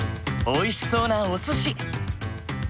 おいしそうなおすし。